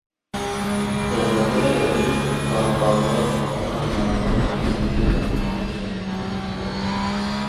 ازادي راډیو د د کار بازار په اړه د نړیوالو رسنیو راپورونه شریک کړي.